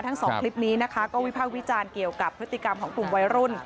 สองคลิปนี้นะคะก็วิภาควิจารณ์เกี่ยวกับพฤติกรรมของกลุ่มวัยรุ่น